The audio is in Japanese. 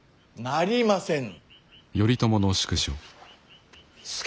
なりませぬ。